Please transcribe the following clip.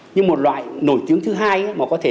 như một loại nổi tiếng thứ hai mà có thể